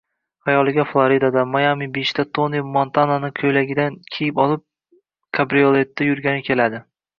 xayoliga Floridada, Mayami Bichda Toni Montanani ko‘ylagidan kiyib olib, kabrioletda yurgani keladi.